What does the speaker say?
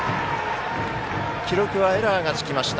記録はエラーがつきました。